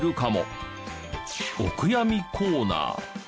おくやみコーナー。